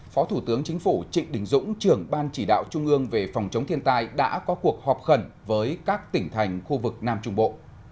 phó thủ tướng chính phủ trịnh đình dũng trưởng ban chỉ đạo trung ương về phòng chống thiên tai đã có cuộc họp khẩn với các tỉnh thành khu vực nam trung bộ